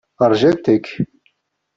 Rjant-k.